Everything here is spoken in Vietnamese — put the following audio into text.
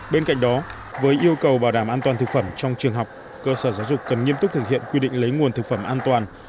bên cạnh đó với yêu cầu bảo đảm an toàn thực phẩm trong trường học cơ sở giáo dục cần nghiêm túc thực hiện quy định lấy nguồn thực phẩm an toàn